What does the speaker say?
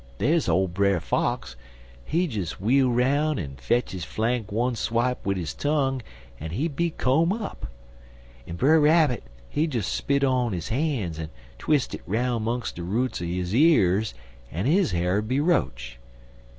Dar's ole Brer Fox, he des wheel 'roun' en fetch his flank one swipe wid 'is tongue en he'd be koam up; en Brer Rabbit, he des spit on his han' en twis' it 'roun' 'mongst de roots er his years en his ha'r'd be roach.